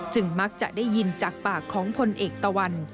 มักจะได้ยินจากปากของพลเอกตะวัน